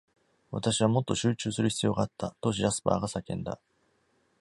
「私はもっと集中する必要があった」とジャスパーが叫んだ。